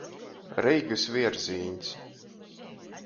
Reigys vierzīņs.